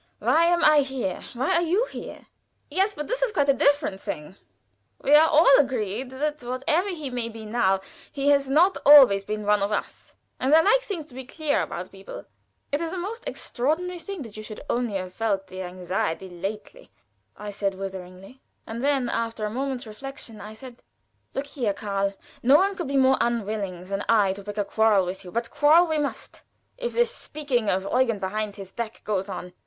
Why am I here? Why are you here?" "Yes; but this is quite a different thing. We are all agreed that whatever he may be now, he has not always been one of us, and I like things to be clear about people." "It is a most extraordinary thing that you should only have felt the anxiety lately," said I, witheringly, and then, after a moment's reflection, I said: "Look here, Karl; no one could be more unwilling than I to pick a quarrel with you, but quarrel we must if this talking of Eugen behind his back goes on.